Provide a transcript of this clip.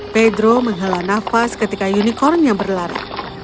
pedro menghala nafas ketika unicornnya berlari